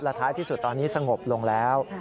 ท้ายที่สุดตอนนี้สงบลงแล้ว